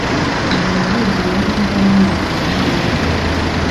Nabonye yuzuyemo imva namabuye yimva